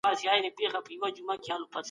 روميان د مسلمانانو له عدالته متاثره سول.